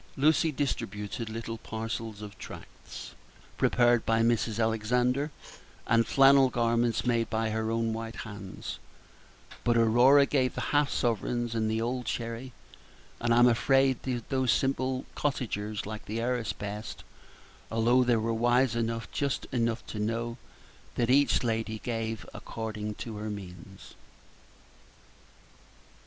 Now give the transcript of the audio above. Lucy distributed little parcels of tracts prepared by Mrs. Alexander, and flannel garments made by her own white hands; but Aurora gave the half sovereigns and the old sherry; and I'm afraid these simple cottagers liked the heiress best, although they were wise enough and just enough to know that each lady gave according to her means.